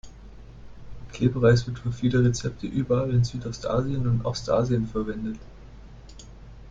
Klebreis wird für viele Rezepte überall in Südostasien und Ostasien verwendet.